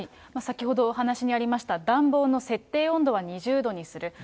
先ほどお話にありました、暖房の設定温度は２０度にする。